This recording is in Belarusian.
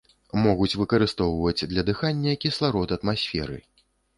Могуць выкарыстоўваць для дыхання кісларод атмасферы.